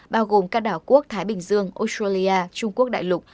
bao gồm các đảo quốc thái bình dương australia trung quốc đại lục